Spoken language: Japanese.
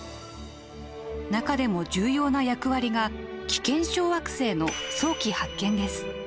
中でも重要な役割が危険小惑星の早期発見です。